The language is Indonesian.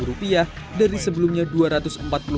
sementara itu harga beras dengan kualitas super per rp dua puluh